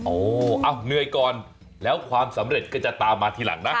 โอ้เหนื่อยก่อนแล้วความสำเร็จก็จะตามมาทีหลังนะ